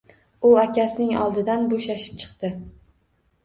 U akasining oldidan boʻshashib chiqdi.